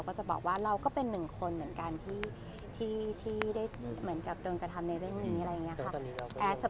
ก็จะบอกว่าเราก็เป็นหนึ่งคนเหมือนกันที่ได้เหมือนกับโดนกระทำในเรื่องนี้อะไรอย่างนี้ค่ะ